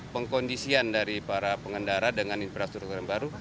pengkondisian dari para pengendara dengan infrastruktur yang baru